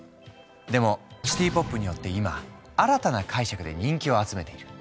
でもシティ・ポップによって今新たな解釈で人気を集めている。